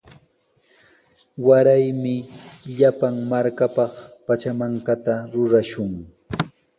Waraymi llapan markapaq pachamankata rurashun.